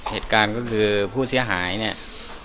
เหตุการณ์ก็คือผู้เสียหายเนี่ย